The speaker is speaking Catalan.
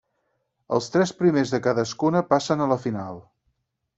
Els tres primers de cadascuna passen a la final.